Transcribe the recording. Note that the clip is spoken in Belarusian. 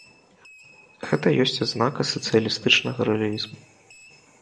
Гэта ёсць адзнака сацыялістычнага рэалізму.